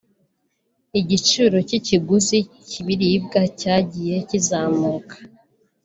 igiciro cy’ikiguzi cy’ibiribwa cyagiye kizamuka